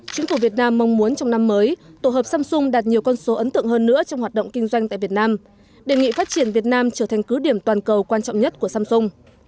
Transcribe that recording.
chính phủ việt nam mong muốn trong năm mới tổ hợp samsung đạt nhiều con số ấn tượng hơn nữa trong hoạt động kinh doanh tại việt nam đề nghị phát triển việt nam trở thành cứ điểm toàn cầu quan trọng nhất của samsung